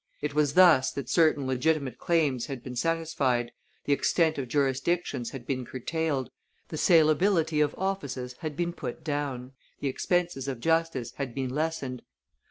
It was thus that certain legitimate claims had been satisfied, the extent of jurisdictions had been curtailed, the salability of offices had been put down, the expenses of justice had been lessened.